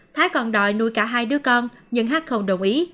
thái còn đòi nuôi cả hai đứa con nhưng hát không đồng ý